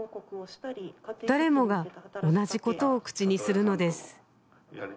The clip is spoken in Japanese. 誰もが同じことを口にするのです